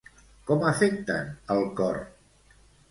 Com afecten el cor?